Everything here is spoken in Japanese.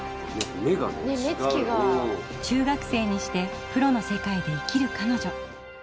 中学生にしてプロの世界で生きるかのじょ。